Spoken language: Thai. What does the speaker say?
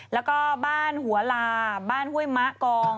แล้วก็บ้านหัวลาบ้านห้วยมะกอง